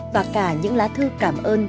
và cả những lá thư cảm ơn